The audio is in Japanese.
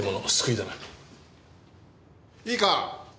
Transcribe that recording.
いいか